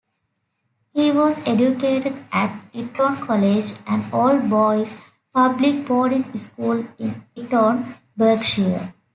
He was educated at Eton College, an all-boys public boarding school in Eton, Berkshire.